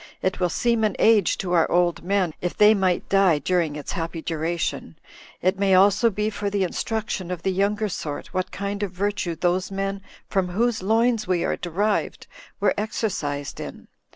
It will seem an age to our old men, if they might die during its happy duration: it may also be for the instruction of the younger sort, what kind of virtue those men, from whose loins we are derived, were exercised in.